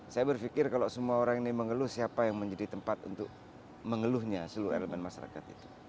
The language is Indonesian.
saya berpikir kalau semua orang ini mengeluh siapa yang menjadi tempat untuk mengeluhnya seluruh elemen masyarakat itu